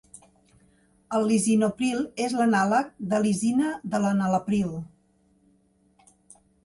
El lisinopril és l'anàleg de lisina de l'enalapril.